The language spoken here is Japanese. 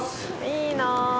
いいな。